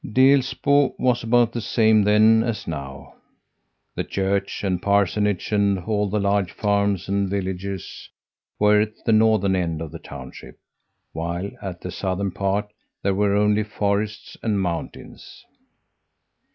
"Delsbo was about the same then as now. The church and parsonage and all the large farms and villages were at the northern end of the township, while at the southern part there were only forests and mountains.